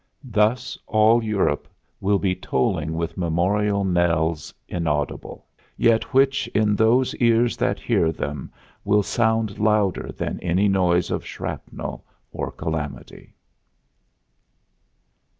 Thus all Europe will be tolling with memorial knells inaudible, yet which in those ears that hear them will sound louder than any noise of shrapnel or calamity.